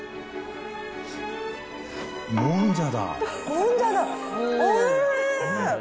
もんじゃだ、おいしい！